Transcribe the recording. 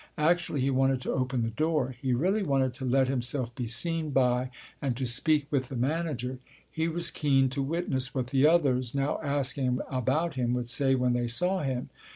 Actually, he wanted to open the door. He really wanted to let himself be seen by and to speak with the manager. He was keen to witness what the others now asking about him would say when they saw him.